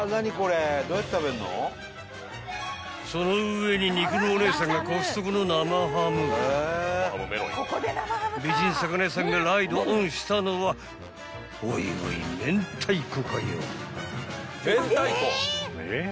［その上に肉のお姉さんがコストコの生ハム美人魚屋さんがライドオンしたのはおいおい明太子かよ］